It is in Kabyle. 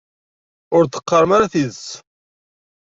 Ur d-qqarem ara tidet.